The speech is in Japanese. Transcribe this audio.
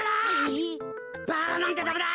バラなんてダメだ！